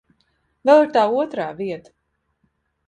Vēl ir tā otra vieta.